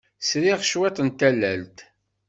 Sriɣ cwiṭ n tallalt.